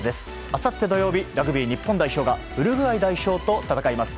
あさって土曜日ラグビー日本代表がウルグアイ代表と戦います。